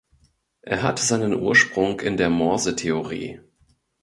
Er hat seinen Ursprung in der Morse-Theorie.